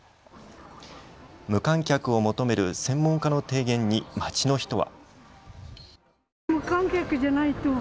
無観客を求める専門家の提言に街の人は。